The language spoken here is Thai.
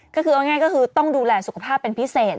ก็คือต้องดูแลสุขภาพเป็นพิเศษ